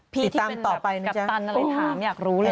พี่ที่เป็นกัปตันติดตามต่อไปนึกจ้ะถามอยากรู้เลย